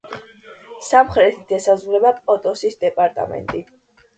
სამხრეთით ესაზღვრება პოტოსის დეპარტამენტი.